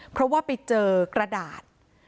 เพราะว่าไปเจอกระดาษ